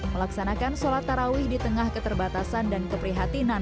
melaksanakan sholat tarawih di tengah keterbatasan dan keprihatinan